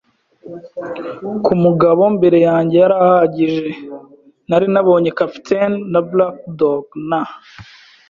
ku mugabo mbere yanjye yari ahagije. Nari nabonye capitaine, na Black Dog, na